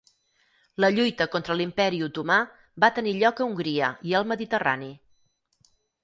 La lluita contra l'imperi Otomà va tenir lloc a Hongria i el Mediterrani.